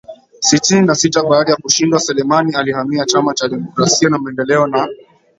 sitini na sita baada ya kushindwa Selemani alihamia Chama cha demokrasia na maendeleo na